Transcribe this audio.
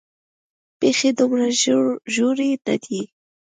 پېښې دومره ژورې نه دي.